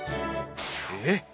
えっ！